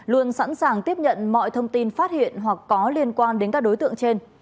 luôn sẵn sàng tiếp nhận mọi thông tin phát hiện hoặc có liên quan đến các đối tượng trên